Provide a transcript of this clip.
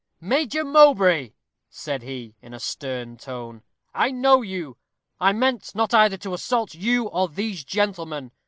"Major Mowbray," said he, in a stern tone, "I know you. I meant not either to assault you or these gentlemen.